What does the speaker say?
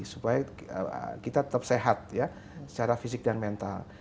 supaya kita tetap sehat ya secara fisik dan mental